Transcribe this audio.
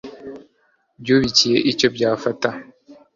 byubikiye icyo byafata